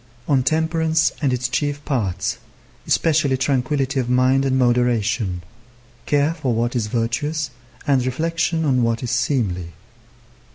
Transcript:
On temperance and its chief parts, especially tranquillity of mind and moderation, care for what is virtuous, and reflection on what is seemly.